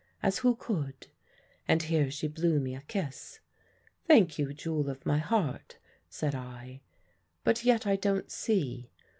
As who could?' And here she blew me a kiss. "'Thank you, jewel of my heart,' said I; 'but yet I don't see.